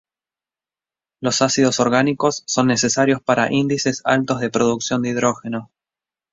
Los ácidos orgánicos son necesarios para índices altos de producción de hidrógeno.